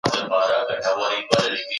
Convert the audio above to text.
خوشحالي د خدای نعمت دی.